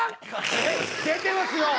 出てますよ！